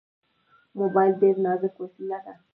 موبایل ډېر نازک وسیله ده.